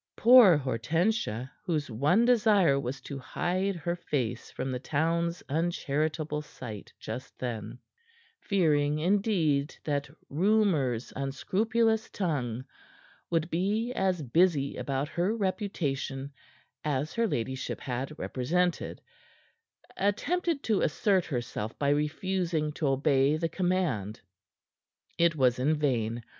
Poor Hortensia, whose one desire was to hide her face from the town's uncharitable sight just then, fearing, indeed, that Rumor's unscrupulous tongue would be as busy about her reputation as her ladyship had represented, attempted to assert herself by refusing to obey the command. It was in vain.